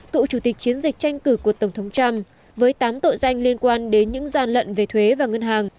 cựu chủ tịch chiến dịch tranh cử của tổng thống trump với tám tội danh liên quan đến những gian lận về thuế và ngân hàng